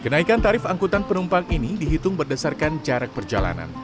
kenaikan tarif angkutan penumpang ini dihitung berdasarkan jarak perjalanan